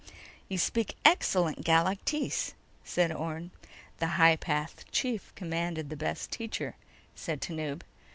"You speak excellent Galactese," said Orne. "The High Path Chief commanded the best teacher," said Tanub.